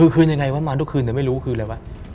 คือคืนยังไงวะมาทุกคืนแต่ไม่รู้คืนอะไรวะ